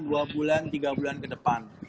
dua bulan tiga bulan ke depan